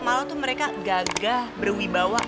malah tuh mereka gagah berwibawa